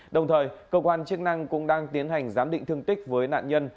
đồng thời cơ quan chức năng cũng đang tiến hành giám định thương tích với nạn nhân